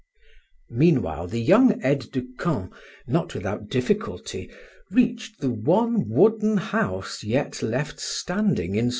Meanwhile the young aide de camp, not without difficulty, reached the one wooden house yet left standing in Studzianka.